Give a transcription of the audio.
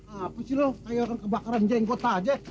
apa sih lo kayak orang kebakaran jenggot aja